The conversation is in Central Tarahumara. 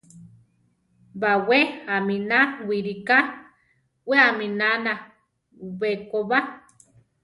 Bawé aminá wiriká, we aminána bekoba.